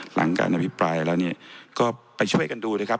หลังการอภิปรายแล้วเนี่ยก็ไปช่วยกันดูนะครับ